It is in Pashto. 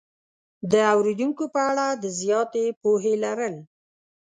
د اورېدونکو په اړه د زیاتې پوهې لرل